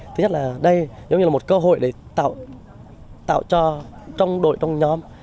thứ nhất là đây giống như là một cơ hội để tạo cho trong đội trong nhóm